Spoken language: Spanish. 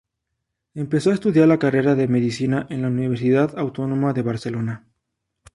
Empezó a estudiar la carrera de medicina en la Universidad Autónoma de Barcelona.